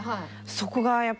そこがやっぱり。